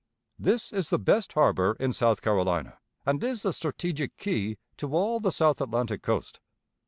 This is the best harbor in South Carolina, and is the strategic key to all the South Atlantic coast.